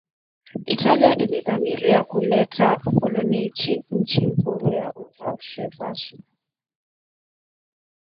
Italia ilidhamiria kuleta ukoloni nchi huru ya Uhabeshi